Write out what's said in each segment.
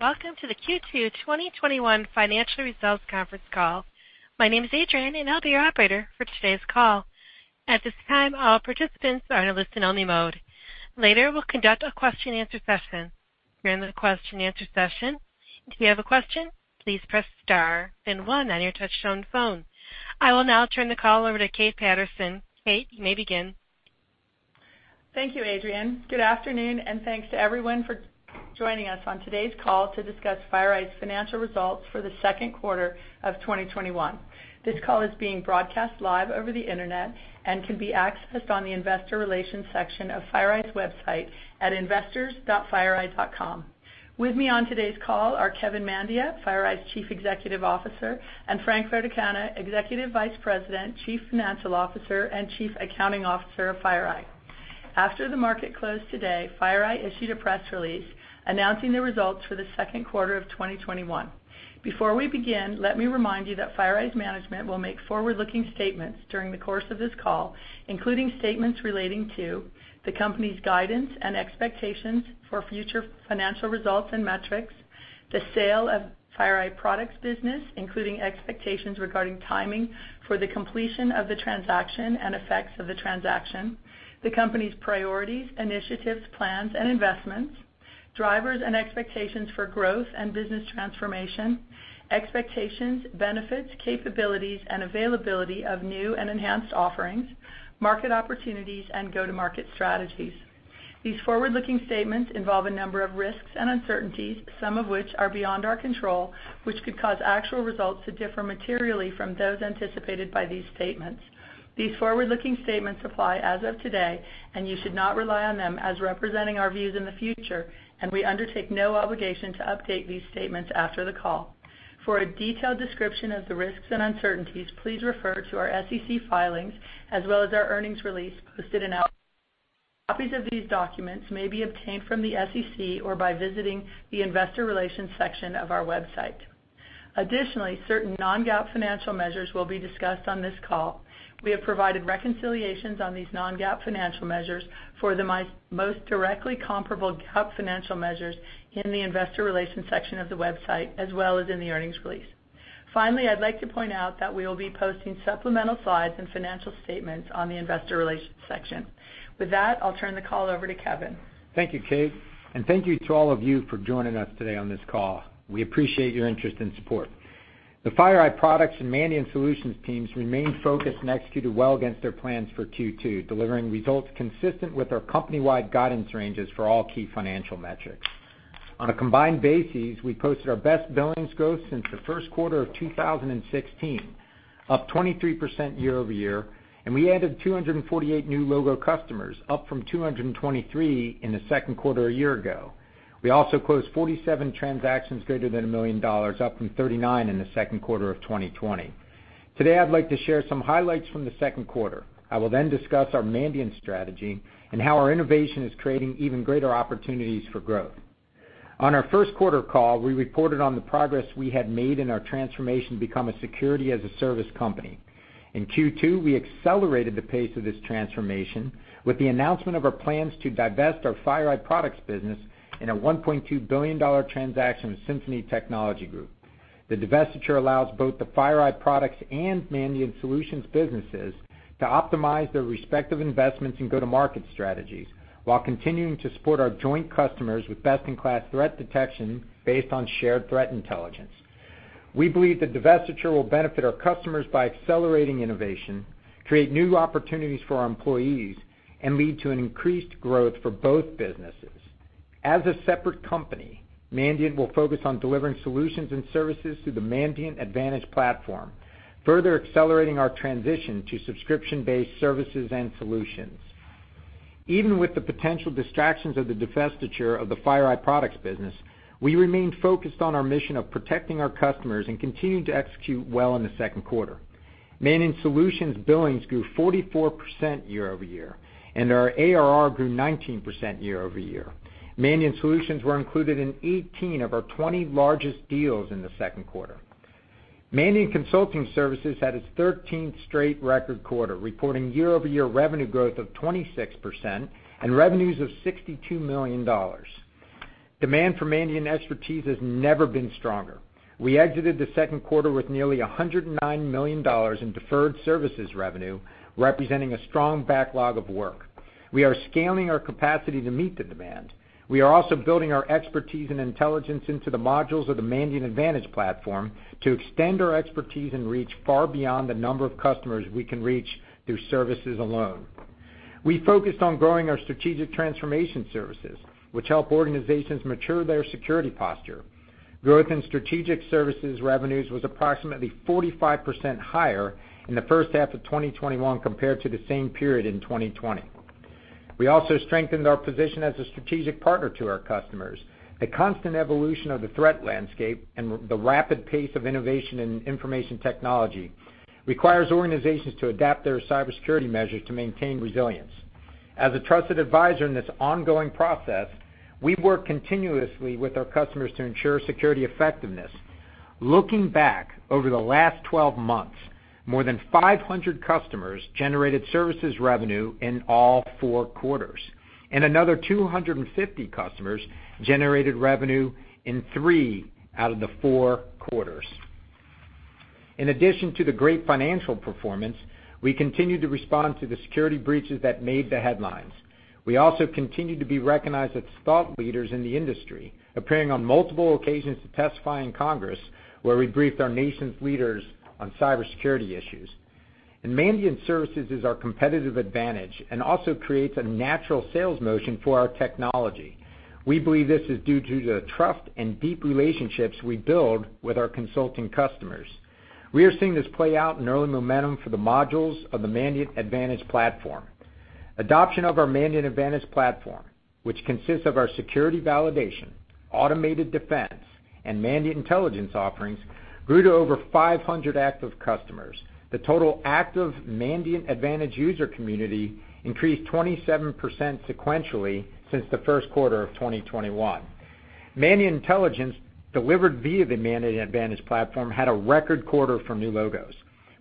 Welcome to the Q2 2021 Financial Results Conference Call. My name is Adrian, and I'll be your operator for today's call. At this time, all participants are in a listen-only mode. Later, we'll conduct a question and answer session. During the question and answer session, if you have a question, please press star then one on your touchtone phone. I will now turn the call over to Kate Patterson. Kate, you may begin. Thank you, Adrian. Good afternoon, and thanks to everyone for joining us on today's call to discuss FireEye's financial results for the second quarter of 2021. This call is being broadcast live over the internet and can be accessed on the investor relations section of FireEye's website at investors.fireeye.com. With me on today's call are Kevin Mandia, FireEye's Chief Executive Officer, and Frank Verdecanna, Executive Vice President, Chief Financial Officer, and Chief Accounting Officer of FireEye. After the market closed today, FireEye issued a press release announcing the results for the second quarter of 2021. Before we begin, let me remind you that FireEye's management will make forward-looking statements during the course of this call, including statements relating to the company's guidance and expectations for future financial results and metrics, the sale of FireEye Products business, including expectations regarding timing for the completion of the transaction and effects of the transaction, the company's priorities, initiatives, plans, and investments, drivers and expectations for growth and business transformation, expectations, benefits, capabilities, and availability of new and enhanced offerings, market opportunities, and go-to-market strategies. These forward-looking statements involve a number of risks and uncertainties, some of which are beyond our control, which could cause actual results to differ materially from those anticipated by these statements. These forward-looking statements apply as of today, and you should not rely on them as representing our views in the future, and we undertake no obligation to update these statements after the call. For a detailed description of the risks and uncertainties, please refer to our SEC filings as well as our earnings release posted. Copies of these documents may be obtained from the SEC or by visiting the investor relations section of our website. Additionally, certain non-GAAP financial measures will be discussed on this call. We have provided reconciliations on these non-GAAP financial measures for the most directly comparable GAAP financial measures in the investor relations section of the website, as well as in the earnings release. Finally, I'd like to point out that we will be posting supplemental slides and financial statements on the investor relations section. With that, I'll turn the call over to Kevin. Thank you, Kate, thank you to all of you for joining us today on this call. We appreciate your interest and support. The FireEye Products and Mandiant Solutions teams remained focused and executed well against their plans for Q2, delivering results consistent with our company-wide guidance ranges for all key financial metrics. On a combined basis, we posted our best billings growth since the first quarter of 2016, up 23% year-over-year, and we added 248 new logo customers, up from 223 in the second quarter a year ago. We also closed 47 transactions greater than $1 million, up from 39 in the second quarter of 2020. Today, I'd like to share some highlights from the second quarter. I will then discuss our Mandiant strategy and how our innovation is creating even greater opportunities for growth. On our first quarter call, we reported on the progress we had made in our transformation to become a security-as-a-service company. In Q2, we accelerated the pace of this transformation with the announcement of our plans to divest our FireEye Products business in a $1.2 billion transaction with Symphony Technology Group. The divestiture allows both the FireEye Products and Mandiant Solutions businesses to optimize their respective investments and go-to-market strategies while continuing to support our joint customers with best-in-class threat detection based on shared threat intelligence. We believe the divestiture will benefit our customers by accelerating innovation, create new opportunities for our employees, and lead to an increased growth for both businesses. As a separate company, Mandiant will focus on delivering solutions and services through the Mandiant Advantage Platform, further accelerating our transition to subscription-based services and solutions. Even with the potential distractions of the divestiture of the FireEye Products business, we remained focused on our mission of protecting our customers and continued to execute well in the second quarter. Mandiant Solutions billings grew 44% year-over-year, and our ARR grew 19% year-over-year. Mandiant Solutions were included in 18 of our 20 largest deals in the second quarter. Mandiant Consulting Services had its 13th straight record quarter, reporting year-over-year revenue growth of 26% and revenues of $62 million. Demand for Mandiant expertise has never been stronger. We exited the second quarter with nearly $109 million in deferred services revenue, representing a strong backlog of work. We are scaling our capacity to meet the demand. We are also building our expertise and intelligence into the modules of the Mandiant Advantage Platform to extend our expertise and reach far beyond the number of customers we can reach through services alone. We focused on growing our strategic transformation services, which help organizations mature their security posture. Growth in strategic services revenues was approximately 45% higher in the first half of 2021 compared to the same period in 2020. We also strengthened our position as a strategic partner to our customers. The constant evolution of the threat landscape and the rapid pace of innovation in information technology requires organizations to adapt their cybersecurity measures to maintain resilience. As a trusted advisor in this ongoing process, we work continuously with our customers to ensure security effectiveness. Looking back over the last 12 months, more than 500 customers generated services revenue in all four quarters, and another 250 customers generated revenue in three out of the four quarters. In addition to the great financial performance, we continued to respond to the security breaches that made the headlines. We also continued to be recognized as thought leaders in the industry, appearing on multiple occasions to testify in Congress, where we briefed our nation's leaders on cybersecurity issues. Mandiant Services is our competitive advantage and also creates a natural sales motion for our technology. We believe this is due to the trust and deep relationships we build with our consulting customers. We are seeing this play out in early momentum for the modules of the Mandiant Advantage Platform. Adoption of our Mandiant Advantage Platform, which consists of our Security Validation, Automated Defense, and Mandiant Intelligence offerings, grew to over 500 active customers. The total active Mandiant Advantage user community increased 27% sequentially since the first quarter of 2021. Mandiant Intelligence, delivered via the Mandiant Advantage Platform, had a record quarter for new logos.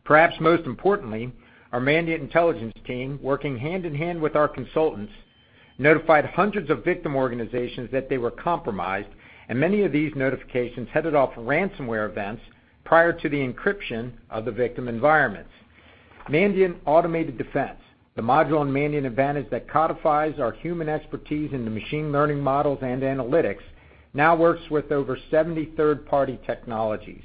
Perhaps most importantly, our Mandiant Intelligence team, working hand-in-hand with our consultants, notified hundreds of victim organizations that they were compromised, and many of these notifications headed off ransomware events prior to the encryption of the victim environments. Mandiant Automated Defense, the module in Mandiant Advantage that codifies our human expertise into machine learning models and analytics, now works with over 70 third-party technologies.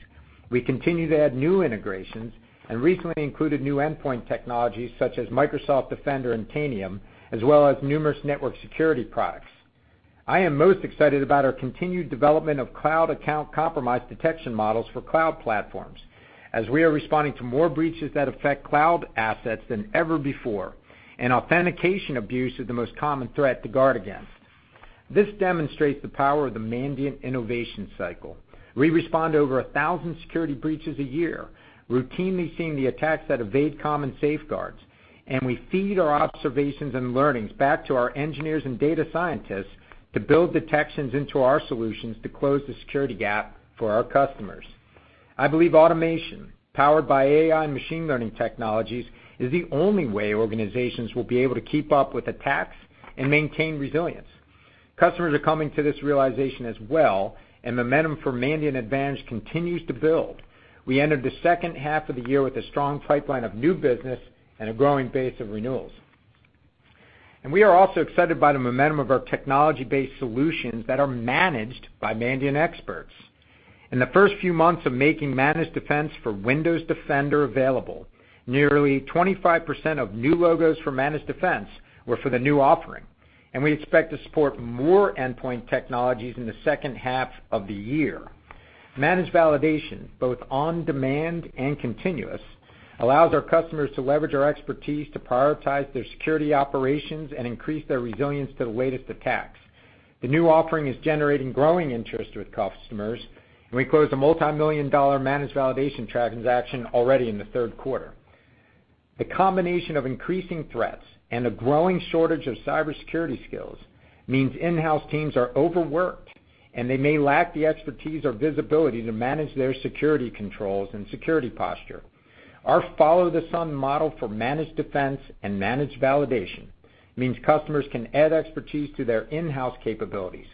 We continue to add new integrations and recently included new endpoint technologies such as Microsoft Defender and Tanium, as well as numerous network security products. I am most excited about our continued development of cloud account compromise detection models for cloud platforms, as we are responding to more breaches that affect cloud assets than ever before. Authentication abuse is the most common threat to guard against. This demonstrates the power of the Mandiant innovation cycle. We respond to over 1,000 security breaches a year, routinely seeing the attacks that evade common safeguards. We feed our observations and learnings back to our engineers and data scientists to build detections into our solutions to close the security gap for our customers. I believe automation, powered by AI and machine learning technologies, is the only way organizations will be able to keep up with attacks and maintain resilience. Customers are coming to this realization as well, and momentum for Mandiant Advantage continues to build. We entered the second half of the year with a strong pipeline of new business and a growing base of renewals. We are also excited by the momentum of our technology-based solutions that are managed by Mandiant experts. In the first few months of making Managed Defense for Windows Defender available, nearly 25% of new logos for Managed Defense were for the new offering, and we expect to support more endpoint technologies in the second half of the year. Managed Validation, both on-demand and continuous, allows our customers to leverage our expertise to prioritize their security operations and increase their resilience to the latest attacks. The new offering is generating growing interest with customers, and we closed a multimillion-dollar Managed Validation transaction already in the third quarter. The combination of increasing threats and a growing shortage of cybersecurity skills means in-house teams are overworked, and they may lack the expertise or visibility to manage their security controls and security posture. Our follow-the-sun model for Managed Defense and Managed Validation means customers can add expertise to their in-house capabilities,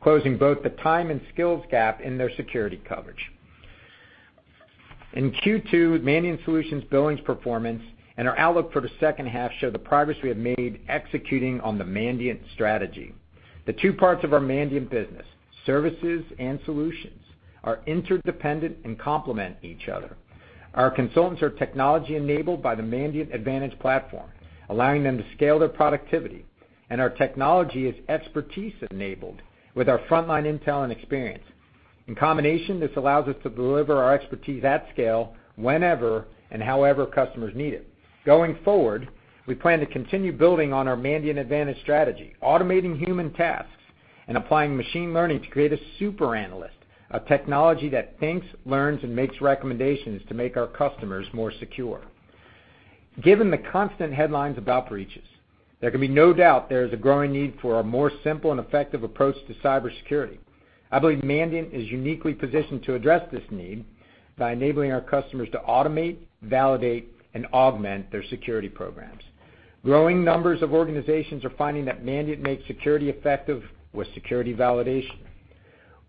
closing both the time and skills gap in their security coverage. In Q2, Mandiant Solutions billings performance and our outlook for the second half show the progress we have made executing on the Mandiant strategy. The two parts of our Mandiant business, services and solutions, are interdependent and complement each other. Our consultants are technology-enabled by the Mandiant Advantage platform, allowing them to scale their productivity. Our technology is expertise-enabled with our frontline intel and experience. In combination, this allows us to deliver our expertise at scale whenever and however customers need it. Going forward, we plan to continue building on our Mandiant Advantage strategy, automating human tasks and applying machine learning to create a super analyst, a technology that thinks, learns, and makes recommendations to make our customers more secure. Given the constant headlines about breaches, there can be no doubt there is a growing need for a more simple and effective approach to cybersecurity. I believe Mandiant is uniquely positioned to address this need by enabling our customers to automate, validate, and augment their security programs. Growing numbers of organizations are finding that Mandiant makes security effective with security validation.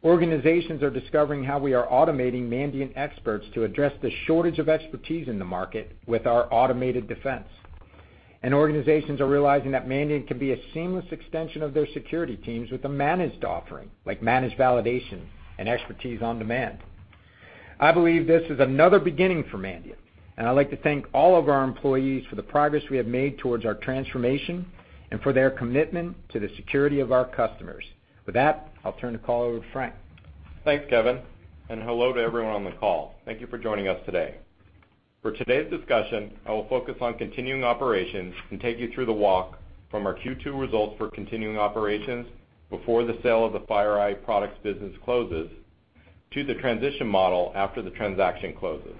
Organizations are discovering how we are automating Mandiant experts to address the shortage of expertise in the market with our automated defense. Organizations are realizing that Mandiant can be a seamless extension of their security teams with a managed offering like Managed Validation and expertise on demand. I believe this is another beginning for Mandiant. I'd like to thank all of our employees for the progress we have made towards our transformation and for their commitment to the security of our customers. With that, I'll turn the call over to Frank. Thanks, Kevin, and hello to everyone on the call. Thank you for joining us today. For today's discussion, I will focus on continuing operations and take you through the walk from our Q2 results for continuing operations before the sale of the FireEye Products business closes, to the transition model after the transaction closes.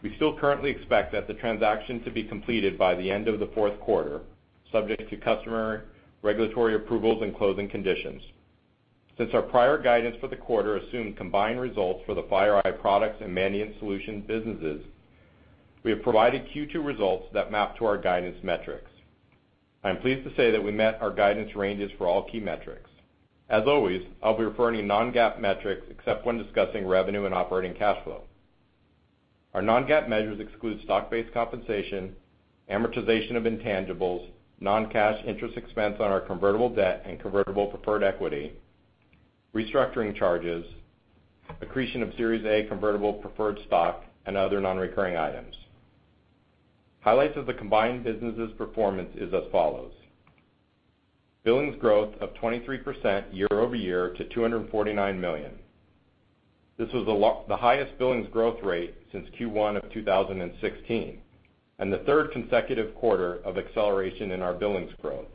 We still currently expect that the transaction to be completed by the end of the fourth quarter, subject to customer regulatory approvals and closing conditions. Since our prior guidance for the quarter assumed combined results for the FireEye Products and Mandiant Solutions businesses, we have provided Q2 results that map to our guidance metrics. I am pleased to say that we met our guidance ranges for all key metrics. As always, I will be referring to non-GAAP metrics except when discussing revenue and operating cash flow. Our non-GAAP measures exclude stock-based compensation, amortization of intangibles, non-cash interest expense on our convertible debt and convertible preferred equity, restructuring charges, accretion of Series A convertible preferred stock, and other non-recurring items. Highlights of the combined businesses' performance is as follows. Billings growth of 23% year-over-year to $249 million. This was the highest billings growth rate since Q1 2016, and the third consecutive quarter of acceleration in our billings growth.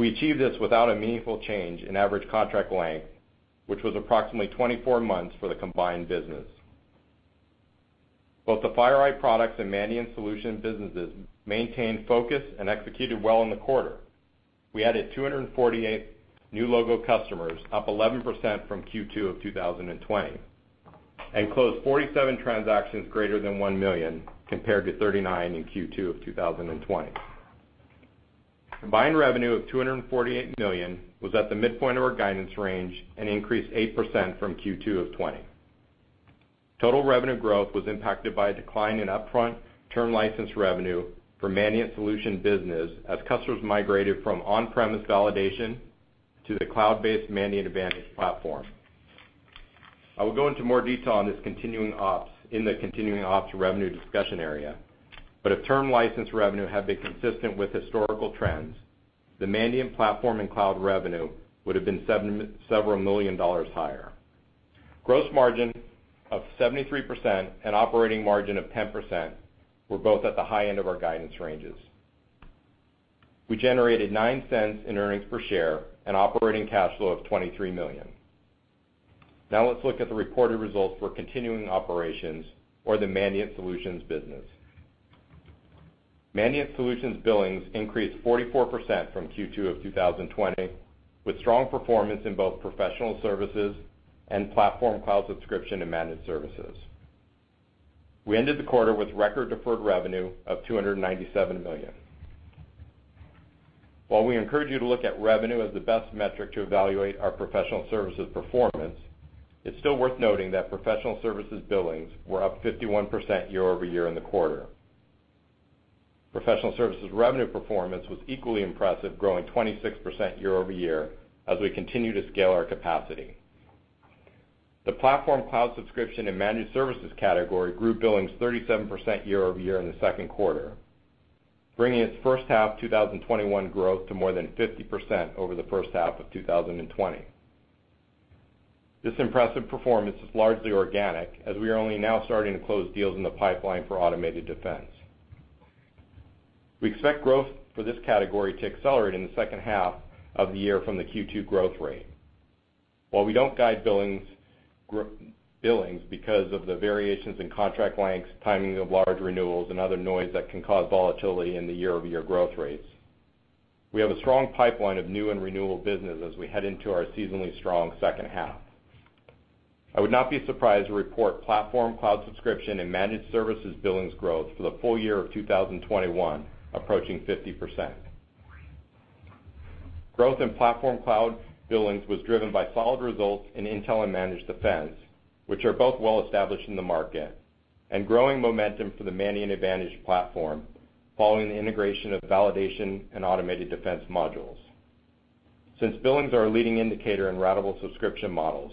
We achieved this without a meaningful change in average contract length, which was approximately 24 months for the combined business. Both the FireEye Products and Mandiant Solutions businesses maintained focus and executed well in the quarter. We added 248 new logo customers, up 11% from Q2 2020, and closed 47 transactions greater than $1 million, compared to 39 in Q2 2020. Combined revenue of $248 million was at the midpoint of our guidance range and increased 8% from Q2 2020. Total revenue growth was impacted by a decline in upfront term license revenue for Mandiant Solutions business as customers migrated from on-premise validation to the cloud-based Mandiant Advantage Platform. I will go into more detail on this in the continuing ops revenue discussion area, but if term license revenue had been consistent with historical trends, the Mandiant platform and cloud revenue would've been several million dollars higher. Gross margin of 73% and operating margin of 10% were both at the high end of our guidance ranges. We generated $0.09 in earnings per share and operating cash flow of $23 million. Let's look at the reported results for continuing operations or the Mandiant Solutions business. Mandiant Solutions billings increased 44% from Q2 2020, with strong performance in both professional services and platform cloud subscription and managed services. We ended the quarter with record deferred revenue of $297 million. While we encourage you to look at revenue as the best metric to evaluate our professional services performance, it is still worth noting that professional services billings were up 51% year-over-year in the quarter. Professional services revenue performance was equally impressive, growing 26% year-over-year as we continue to scale our capacity. The platform cloud subscription and managed services category grew billings 37% year-over-year in the second quarter, bringing its first half 2021 growth to more than 50% over the first half 2020. This impressive performance is largely organic, as we are only now starting to close deals in the pipeline for Automated Defense. We expect growth for this category to accelerate in the second half of the year from the Q2 growth rate. While we don't guide billings because of the variations in contract lengths, timing of large renewals, and other noise that can cause volatility in the year-over-year growth rates, we have a strong pipeline of new and renewal business as we head into our seasonally strong second half. I would not be surprised to report platform cloud subscription and managed services billings growth for the full year of 2021 approaching 50%. Growth in platform cloud billings was driven by solid results in Intelligence and Managed Defense, which are both well established in the market, and growing momentum for the Mandiant Advantage platform following the integration of validation and automated defense modules. Since billings are a leading indicator in ratable subscription models,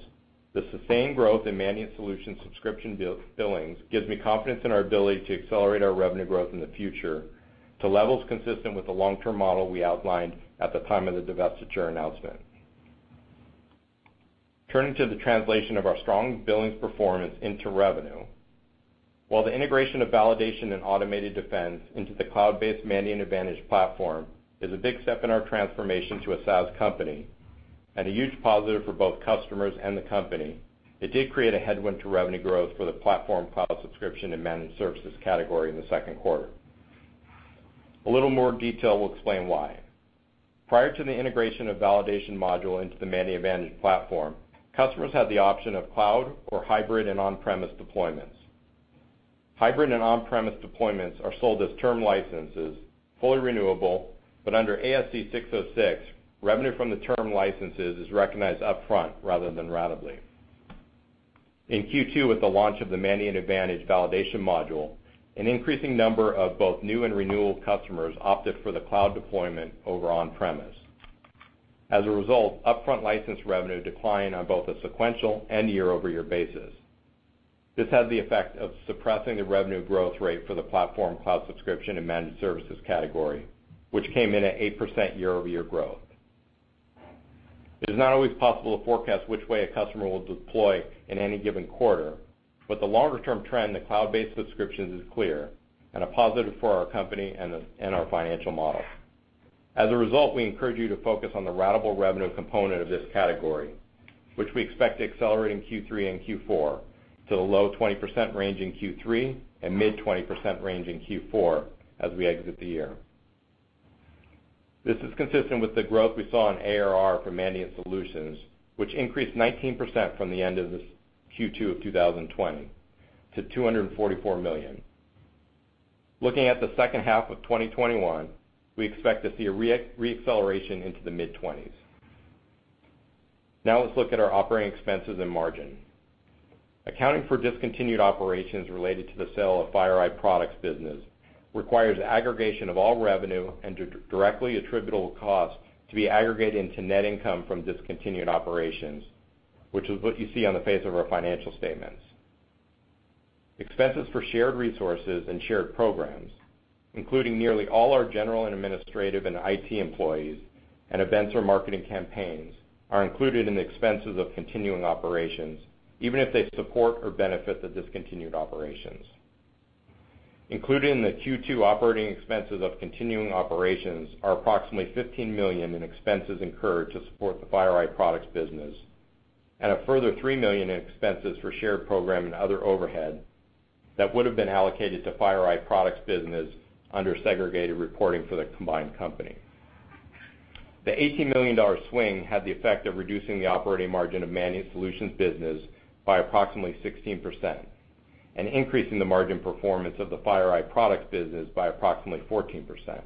the sustained growth in Mandiant Solutions subscription billings gives me confidence in our ability to accelerate our revenue growth in the future to levels consistent with the long-term model we outlined at the time of the divestiture announcement. Turning to the translation of our strong billings performance into revenue. While the integration of Validation and Automated Defense into the cloud-based Mandiant Advantage platform is a big step in our transformation to a SaaS company and a huge positive for both customers and the company, it did create a headwind to revenue growth for the platform cloud subscription and managed services category in the second quarter. A little more detail will explain why. Prior to the integration of Validation module into the Mandiant Advantage platform, customers had the option of cloud or hybrid and on-premise deployments. Hybrid and on-premise deployments are sold as term licenses, fully renewable, but under ASC 606, revenue from the term licenses is recognized upfront rather than ratably. In Q2, with the launch of the Mandiant Advantage validation module, an increasing number of both new and renewal customers opted for the cloud deployment over on-premise. As a result, upfront license revenue declined on both a sequential and year-over-year basis. This had the effect of suppressing the revenue growth rate for the platform cloud subscription and managed services category, which came in at 8% year-over-year growth. It is not always possible to forecast which way a customer will deploy in any given quarter, but the longer-term trend to cloud-based subscriptions is clear and a positive for our company and our financial model. As a result, we encourage you to focus on the ratable revenue component of this category, which we expect to accelerate in Q3 and Q4 to the low 20% range in Q3 and mid-20% range in Q4 as we exit the year. This is consistent with the growth we saw in ARR for Mandiant Solutions, which increased 19% from the end of Q2 2020 to $244 million. Looking at the second half of 2021, we expect to see a re-acceleration into the mid-20s. Now let's look at our operating expenses and margin. Accounting for discontinued operations related to the sale of FireEye Products business requires aggregation of all revenue and directly attributable costs to be aggregated into net income from discontinued operations, which is what you see on the face of our financial statements. Expenses for shared resources and shared programs, including nearly all our general and administrative and IT employees and events or marketing campaigns, are included in the expenses of continuing operations, even if they support or benefit the discontinued operations. Included in the Q2 operating expenses of continuing operations are approximately $15 million in expenses incurred to support the FireEye Products business and a further $3 million in expenses for shared program and other overhead that would have been allocated to FireEye Products business under segregated reporting for the combined company. The $18 million swing had the effect of reducing the operating margin of Mandiant Solutions business by approximately 16% and increasing the margin performance of the FireEye Products business by approximately 14%.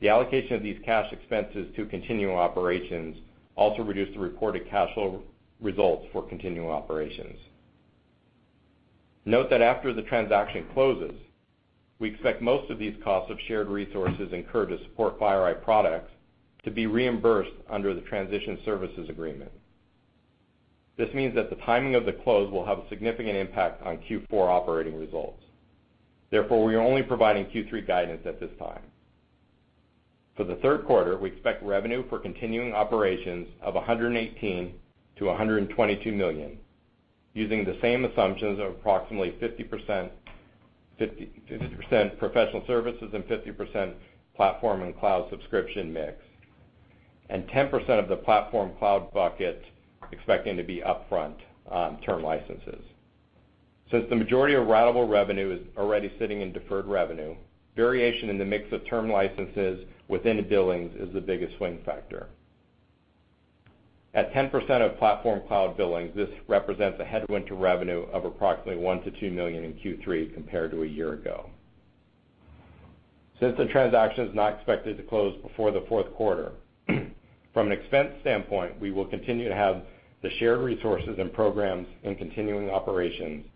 The allocation of these cash expenses to continuing operations also reduced the reported cash flow results for continuing operations. Note that after the transaction closes, we expect most of these costs of shared resources incurred to support FireEye Products to be reimbursed under the transition services agreement. This means that the timing of the close will have a significant impact on Q4 operating results. Therefore, we are only providing Q3 guidance at this time. For the third quarter, we expect revenue for continuing operations of $118 million-$122 million, using the same assumptions of approximately 50% professional services and 50% platform and cloud subscription mix, and 10% of the platform cloud bucket expecting to be upfront term licenses. Since the majority of ratable revenue is already sitting in deferred revenue, variation in the mix of term licenses within billings is the biggest swing factor. At 10% of platform cloud billings, this represents a headwind to revenue of approximately $1 million to $2 million in Q3 compared to a year ago. Since the transaction is not expected to close before the fourth quarter, from an expense standpoint, we will continue to have the shared resources and programs in continuing operations.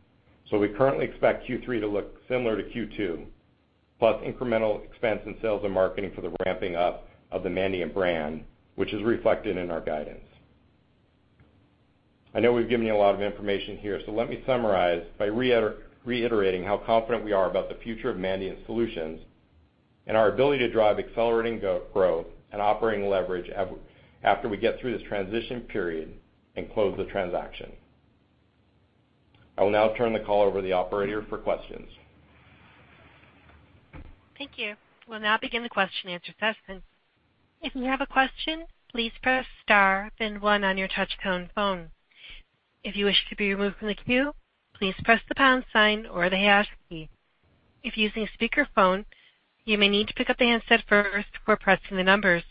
We currently expect Q3 to look similar to Q2, plus incremental expense and sales and marketing for the ramping up of the Mandiant brand, which is reflected in our guidance. I know we've given you a lot of information here, so let me summarize by reiterating how confident we are about the future of Mandiant Solutions and our ability to drive accelerating growth and operating leverage after we get through this transition period and close the transaction. I will now turn the call over to the operator for questions. Thank you. We'll now begin the question and answer session. If you have a question, please press star then one on your touchtone phone. If you wish to be removed from the queue, please press the pound sign or the hash key. If using a speakerphone, you may need to pick up the handset first before pressing the numbers.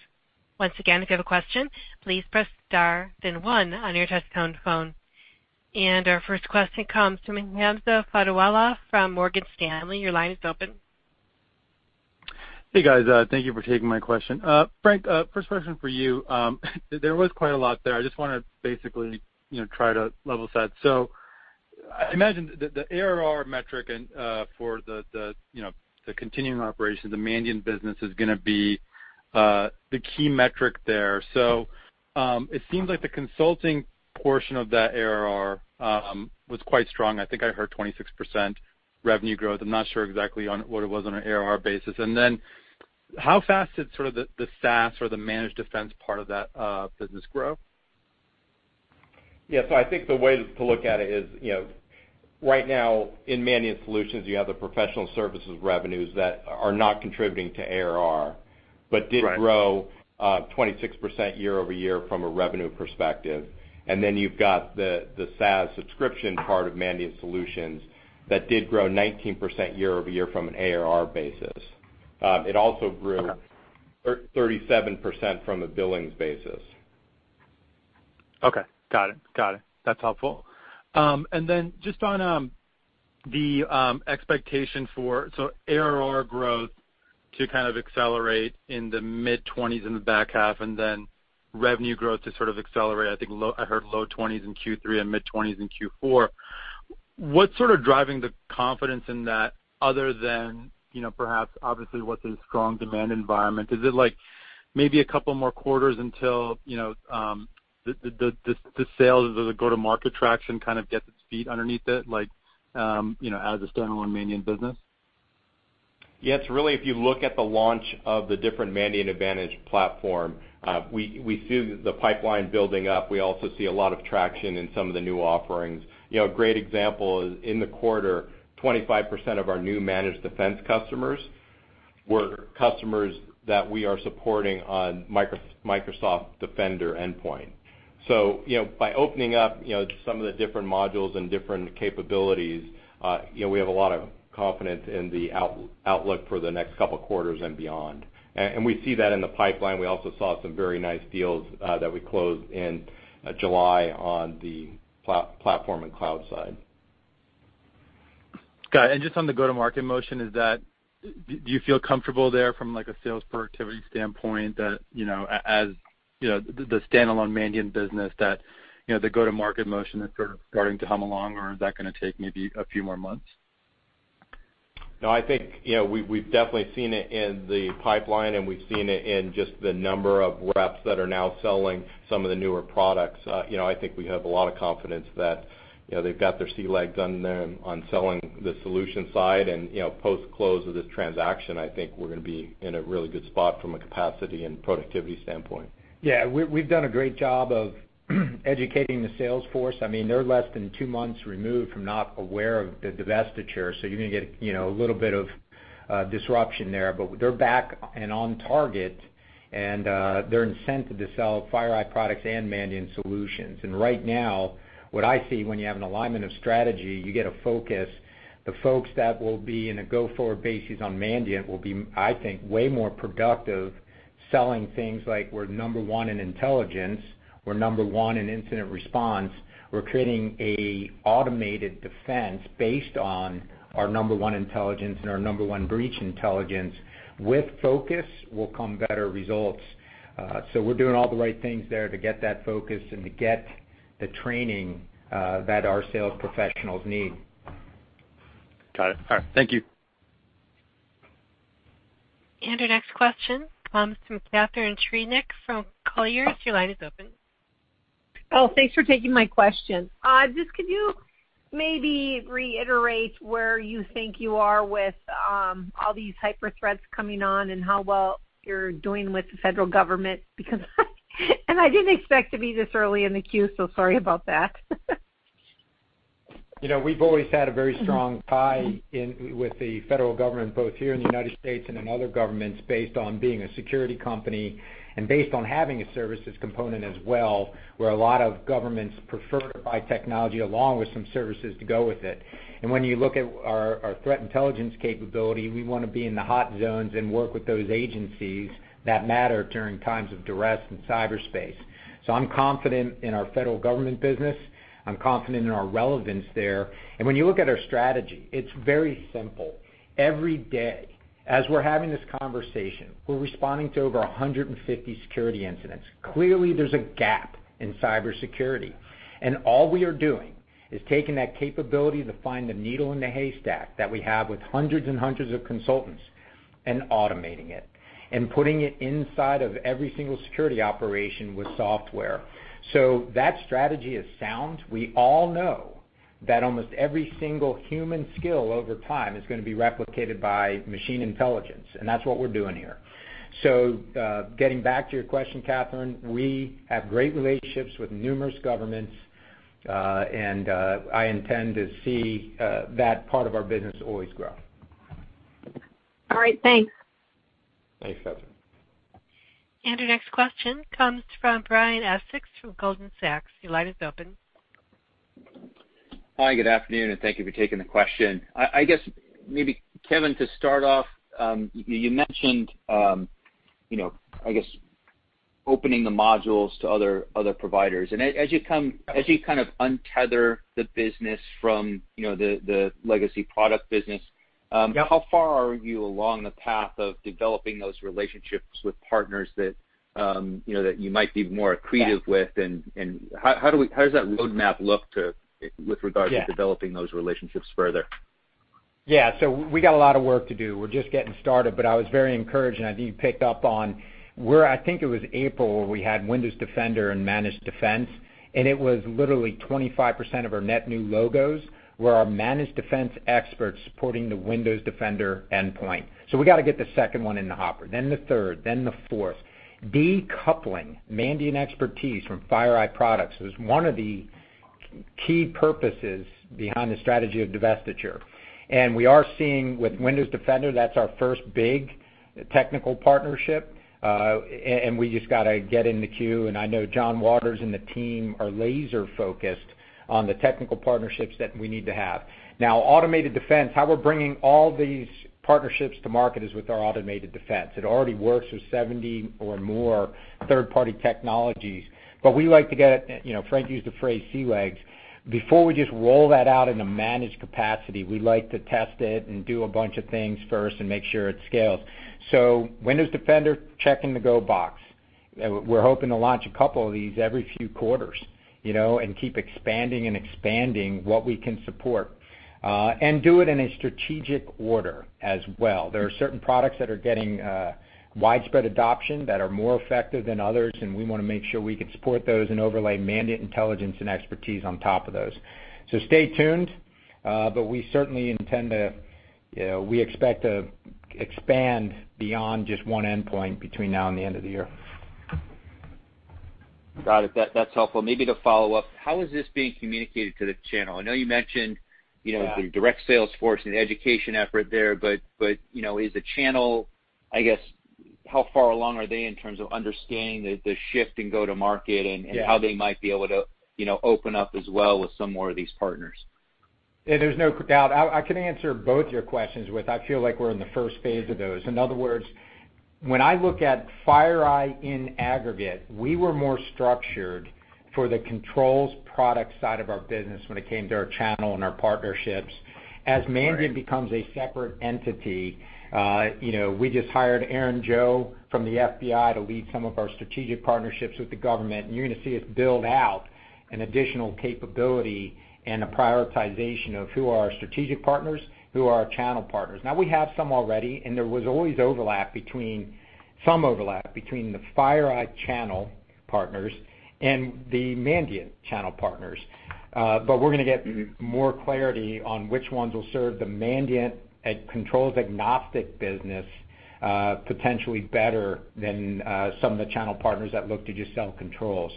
Once again, if you have a question, please press star then one on your touchtone phone. Our first question comes from Hamza Fodderwala from Morgan Stanley. Your line is open. Hey, guys. Thank you for taking my question. Frank, first question for you. There was quite a lot there. I just want to basically try to level set. I imagine the ARR metric and for the continuing operations, the Mandiant business is going to be the key metric there. It seems like the consulting portion of that ARR was quite strong. I think I heard 26% revenue growth. I'm not sure exactly on what it was on an ARR basis. How fast did the SaaS or the Managed Defense part of that business grow? I think the way to look at it is, right now in Mandiant Solutions, you have the professional services revenues that are not contributing to ARR but did grow 26% year over year from a revenue perspective. You've got the SaaS subscription part of Mandiant Solutions that did grow 19% year over year from an ARR basis. It also grew 37% from a billings basis. Okay. Got it. That's helpful. Just on the expectation for ARR growth to accelerate in the mid-20s in the back half and then revenue growth to accelerate, I think I heard low 20s in Q3 and mid-20s in Q4. What's driving the confidence in that other than perhaps obviously what's a strong demand environment? Is it maybe a couple more quarters until the sales or the go-to-market traction gets its feet underneath it as a standalone Mandiant business? It's really if you look at the launch of the different Mandiant Advantage Platform, we see the pipeline building up. We also see a lot of traction in some of the new offerings. A great example is in the quarter, 25% of our new Managed Defense customers were customers that we are supporting on Microsoft Defender for Endpoint. By opening up some of the different modules and different capabilities, we have a lot of confidence in the outlook for the next couple of quarters and beyond. We see that in the pipeline. We also saw some very nice deals that we closed in July on the platform and cloud side. Got it. Just on the go-to-market motion, do you feel comfortable there from a sales productivity standpoint that as the standalone Mandiant business, that the go-to-market motion is sort of starting to hum along or is that going to take maybe a few more months? No, I think we've definitely seen it in the pipeline, and we've seen it in just the number of reps that are now selling some of the newer products. I think we have a lot of confidence that they've got their sea legs on selling the solution side and, post-close of this transaction, I think we're going to be in a really good spot from a capacity and productivity standpoint. We've done a great job of educating the sales force. They're less than two months removed from not aware of the divestiture, so you're going to get a little bit of disruption there. They're back and on target, and they're incented to sell FireEye Products and Mandiant Solutions. Right now, what I see when you have an alignment of strategy, you get a focus. The folks that will be in a go-forward basis on Mandiant will be, I think, way more productive selling things like we're number one in intelligence, we're number one in incident response. We're creating a automated defense based on our number one intelligence and our number one breach intelligence. With focus will come better results. We're doing all the right things there to get that focus and to get the training that our sales professionals need. Got it. All right. Thank you. Our next question comes from Catharine Trebnick from Colliers. Your line is open. Thanks for taking my question. Could you maybe reiterate where you think you are with all these hyper threats coming on and how well you're doing with the federal government? I didn't expect to be this early in the queue. Sorry about that. We've always had a very strong tie with the federal government, both here in the United States and in other governments based on being a security company and based on having a services component as well, where a lot of governments prefer to buy technology along with some services to go with it. When you look at our threat intelligence capability, we want to be in the hot zones and work with those agencies that matter during times of duress in cyberspace. I'm confident in our federal government business. I'm confident in our relevance there. When you look at our strategy, it's very simple. Every day as we're having this conversation, we're responding to over 150 security incidents. Clearly, there's a gap in cybersecurity. All we are doing is taking that capability to find the needle in the haystack that we have with hundreds and hundreds of consultants and automating it and putting it inside of every single security operation with software. That strategy is sound. We all know that almost every single human skill over time is going to be replicated by machine intelligence, and that's what we're doing here. Getting back to your question, Catharine, we have great relationships with numerous governments, and I intend to see that part of our business always grow. All right. Thanks. Thanks, Catharine. Our next question comes from Brian Essex from Goldman Sachs. Hi, good afternoon, and thank you for taking the question. I guess maybe Kevin, to start off, you mentioned opening the modules to other providers. As you kind of untether the business from the legacy product business. How far are you along the path of developing those relationships with partners that you might be more accretive with, and how does that roadmap look with regards to developing those relationships further? Yeah. We got a lot of work to do. We're just getting started, but I was very encouraged, and I think you picked up on where I think it was April, where we had Windows Defender and Managed Defense, and it was literally 25% of our net new logos, where our Managed Defense experts supporting the Windows Defender for Endpoint endpoint. We got to get the second one in the hopper, then the third, then the fourth. Decoupling Mandiant expertise from FireEye Products was one of the key purposes behind the strategy of divestiture. We are seeing with Windows Defender for Endpoint, that's our first big technical partnership. We just got to get in the queue, and I know John Watters and the team are laser-focused on the technical partnerships that we need to have. Now Automated Defense, how we're bringing all these partnerships to market is with our Automated Defense. It already works with 70 or more third-party technologies, but we like to get, Frank used the phrase sea legs. Before we just roll that out in a managed capacity, we like to test it and do a bunch of things first and make sure it scales. Windows Defender checking the go box. We're hoping to launch a couple of these every few quarters and keep expanding and expanding what we can support, and do it in a strategic order as well. There are certain products that are getting widespread adoption that are more effective than others, and we want to make sure we can support those and overlay Mandiant Intelligence and expertise on top of those. Stay tuned, but we certainly expect to expand beyond just one endpoint between now and the end of the year. Got it. That's helpful. Maybe to follow up, how is this being communicated to the channel? The direct sales force and education effort there, but is the channel, I guess, how far along are they in terms of understanding the shift in go-to market? How they might be able to open up as well with some more of these partners? There's no doubt. I can answer both your questions with, I feel like we're in the first phase of those. In other words, when I look at FireEye in aggregate, we were more structured for the controls product side of our business when it came to our channel and our partnerships. Right. As Mandiant becomes a separate entity, we just hired Erin Joe from the FBI to lead some of our strategic partnerships with the government. You're going to see us build out an additional capability and a prioritization of who are our strategic partners, who are our channel partners. We have some already. There was always some overlap between the FireEye channel partners and the Mandiant channel partners. We're going to get more clarity on which ones will serve the Mandiant controls agnostic business potentially better than some of the channel partners that look to just sell controls.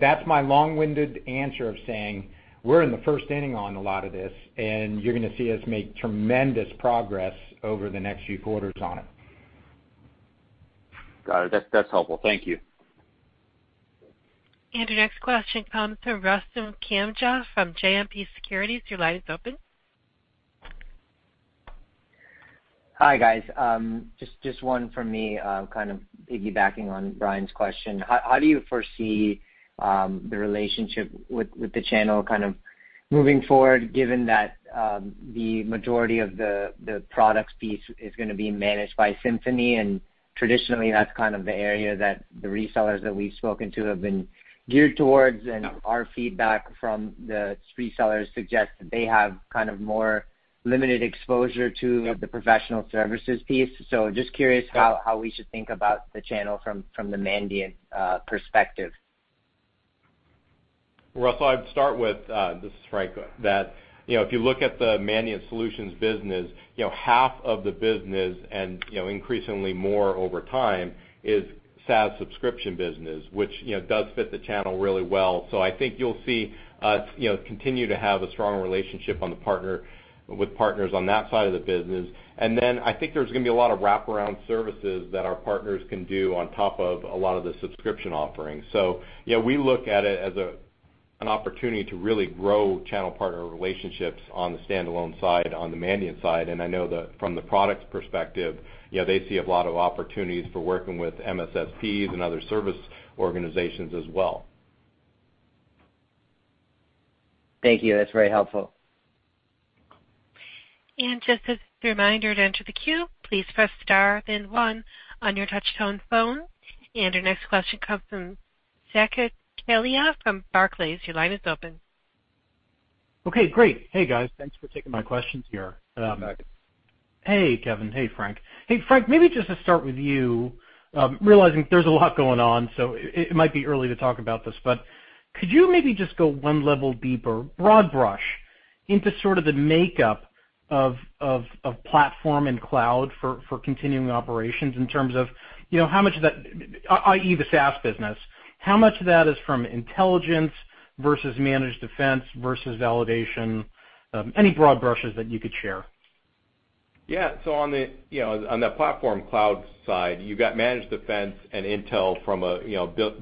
That's my long-winded answer of saying we're in the first inning on a lot of this. You're going to see us make tremendous progress over the next few quarters on it. Got it. That's helpful. Thank you. Our next question comes from Rustam Kanga from JMP Securities. Your line is open. Hi, guys. Just one from me, kind of piggybacking on Brian's question. How do you foresee the relationship with the channel kind of moving forward, given that the majority of the products piece is going to be managed by Symphony? Traditionally, that's kind of the area that the resellers that we've spoken to have been geared towards. Our feedback from the resellers suggests that they have kind of more limited exposure the professional services piece. Just curious how we should think about the channel from the Mandiant perspective? Rustam, I'd start with, this is Frank, that if you look at the Mandiant Solutions business, half of the business and increasingly more over time is SaaS subscription business, which does fit the channel really well. I think you'll see us continue to have a strong relationship with partners on that side of the business. I think there's going to be a lot of wraparound services that our partners can do on top of a lot of the subscription offerings. We look at it as an opportunity to really grow channel partner relationships on the standalone side, on the Mandiant side. I know that from the products perspective they see a lot of opportunities for working with MSSPs and other service organizations as well. Thank you. That's very helpful. Just as a reminder to enter the queue, please press star then one on your touch-tone phone. Our next question comes from Saket Kalia from Barclays. Your line is open. Okay, great. Hey, guys, thanks for taking my questions here. Hey, Saket. Hey, Kevin. Hey, Frank. Hey, Frank, maybe just to start with you, realizing there is a lot going on, so it might be early to talk about this, but could you maybe just go one level deeper, broad brush, into sort of the makeup of platform and cloud for continuing operations in terms of how much of that, i.e., the SaaS business, how much of that is from intelligence versus Managed Defense versus validation? Any broad brushes that you could share? On the platform cloud side, you've got Managed Defense and Intel from a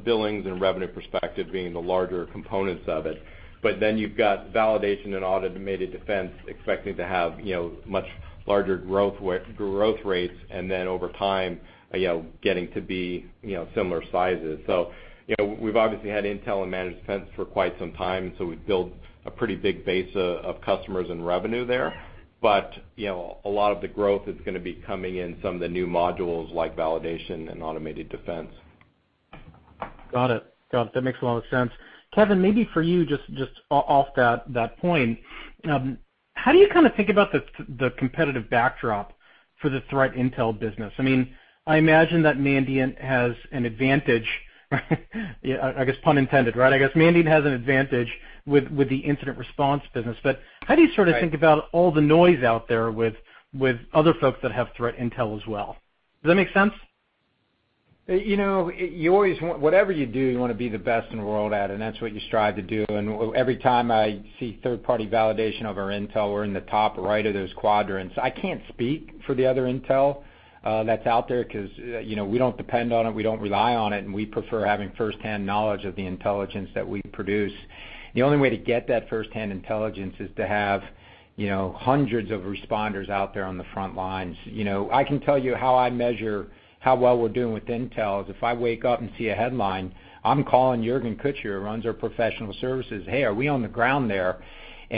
billings and revenue perspective being the larger components of it. You've got Validation and Automated Defense expected to have much larger growth rates, and then over time, getting to be similar sizes. We've obviously had Intel and Managed Defense for quite some time, so we've built a pretty big base of customers and revenue there. A lot of the growth is going to be coming in some of the new modules like Validation and Automated Defense. Got it. That makes a lot of sense. Kevin, maybe for you, just off that point, how do you kind of think about the competitive backdrop for the threat intel business? I imagine that Mandiant has an advantage, I guess pun intended, right? I guess Mandiant has an advantage with the incident response business. Think about all the noise out there with other folks that have threat intel as well? Does that make sense? You always want, whatever you do, you want to be the best in the world at it, and that's what you strive to do. Every time I see third-party validation of our intel, we're in the top right of those quadrants. I can't speak for the other intel that's out there because we don't depend on it, we don't rely on it, and we prefer having firsthand knowledge of the intelligence that we produce. The only way to get that firsthand intelligence is to have hundreds of responders out there on the front lines. I can tell you how I measure how well we're doing with intel is if I wake up and see a headline, I'm calling Jürgen Kutscher, who runs our professional services. Hey, are we on the ground there?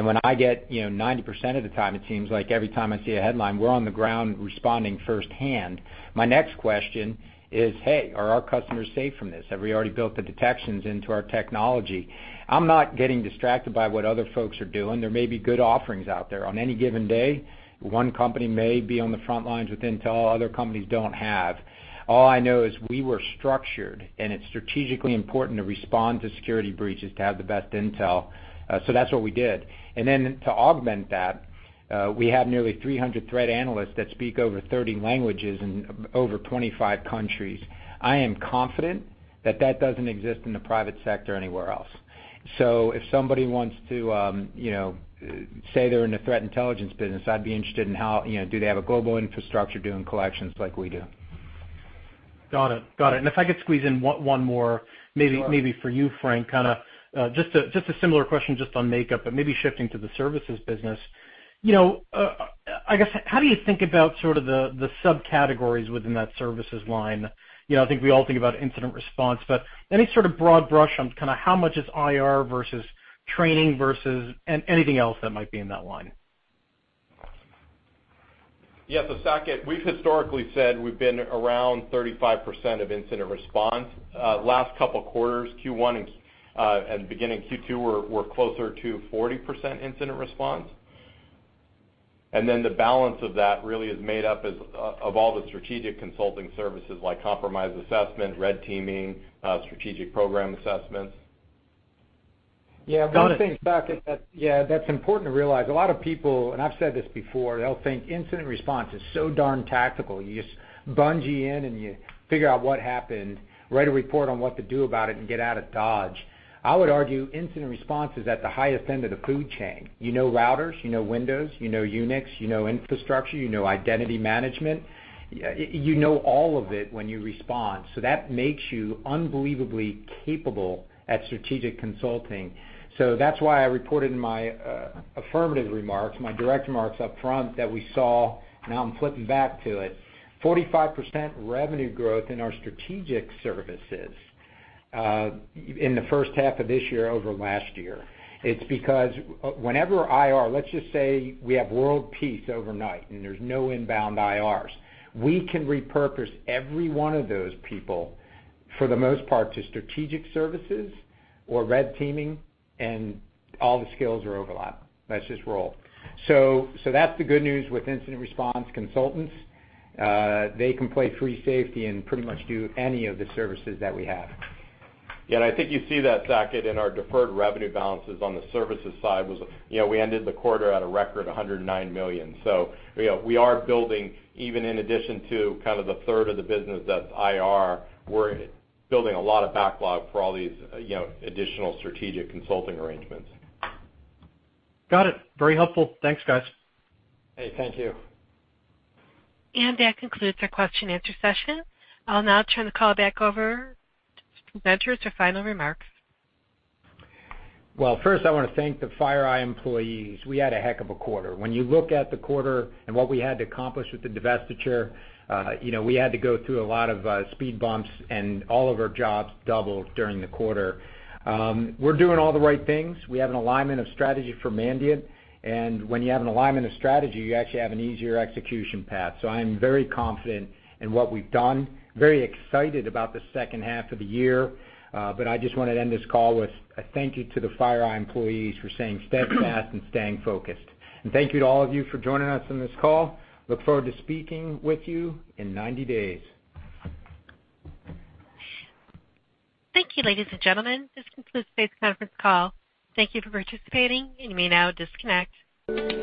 When I get 90% of the time, it seems like every time I see a headline, we're on the ground responding firsthand. My next question is, "Hey, are our customers safe from this? Have we already built the detections into our technology?" I'm not getting distracted by what other folks are doing. There may be good offerings out there. On any given day, one company may be on the front lines with intel other companies don't have. All I know is we were structured, it's strategically important to respond to security breaches to have the best intel. That's what we did. Then to augment that, we have nearly 300 threat analysts that speak over 30 languages in over 25 countries. I am confident that that doesn't exist in the private sector anywhere else. If somebody wants to say they're in the threat intelligence business, I'd be interested in how. Do they have a global infrastructure doing collections like we do? Got it. If I could squeeze in one more. Maybe for you, Frank. Kind of just a similar question just on makeup, but maybe shifting to the services business. I guess, how do you think about sort of the subcategories within that services line? I think we all think about incident response, but any sort of broad brush on kind of how much is IR versus training versus anything else that might be in that line? Saket, we've historically said we've been around 35% of incident response. Last couple of quarters, Q1 and beginning Q2, we're closer to 40% incident response. The balance of that really is made up of all the strategic consulting services like compromise assessment, red teaming, strategic program assessments. Got it. One of the things, Saket, that's important to realize, a lot of people, and I've said this before, they'll think incident response is so darn tactical. You just bungee in and you figure out what happened, write a report on what to do about it, and get out of Dodge. I would argue incident response is at the highest end of the food chain. You know routers, you know Windows, you know Unix, you know infrastructure, you know identity management. You know all of it when you respond. That makes you unbelievably capable at strategic consulting. That's why I reported in my affirmative remarks, my direct remarks up front that we saw, now I'm flipping back to it, 45% revenue growth in our strategic services in the first half of this year over last year. It's because whenever IR, let's just say we have world peace overnight and there's no inbound IRs. We can repurpose every one of those people for the most part to strategic services or red teaming and all the skills are overlapped. Let's just roll. That's the good news with incident response consultants. They can play free safety and pretty much do any of the services that we have. I think you see that, Saket, in our deferred revenue balances on the services side. We ended the quarter at a record $109 million. We are building, even in addition to kind of the third of the business that's IR, we're building a lot of backlog for all these additional strategic consulting arrangements. Got it. Very helpful. Thanks, guys. Hey, thank you. That concludes our question and answer session. I'll now turn the call back over to presenters for final remarks. First I want to thank the FireEye employees. We had a heck of a quarter. When you look at the quarter and what we had to accomplish with the divestiture, we had to go through a lot of speed bumps and all of our jobs doubled during the quarter. We're doing all the right things. We have an alignment of strategy for Mandiant, when you have an alignment of strategy, you actually have an easier execution path. I am very confident in what we've done, very excited about the second half of the year. I just want to end this call with a thank you to the FireEye employees for staying steadfast and staying focused. Thank you to all of you for joining us on this call. Look forward to speaking with you in 90 days. Thank you, ladies and gentlemen. This concludes today's conference call. Thank you for participating. You may now disconnect.